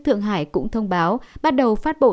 thượng hải cũng thông báo bắt đầu phát bộ